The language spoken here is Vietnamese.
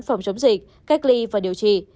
phòng chống dịch cách ly và điều trị